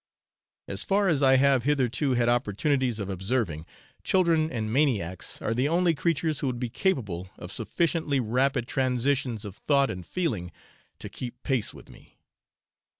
As far as I have hitherto had opportunities of observing, children and maniacs are the only creatures who would be capable of sufficiently rapid transitions of thought and feeling to keep pace with me.